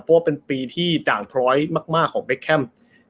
เพราะว่าเป็นปีที่ด่างพร้อยมากของเบคแคม